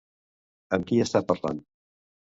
Amb qui està parlant?